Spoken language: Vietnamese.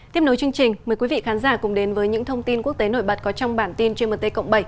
tiếp nối chương trình mời quý vị khán giả cùng đến với những thông tin quốc tế nổi bật có trong bản tin gmt cộng bảy